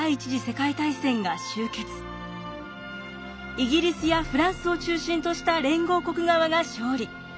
イギリスやフランスを中心とした連合国側が勝利。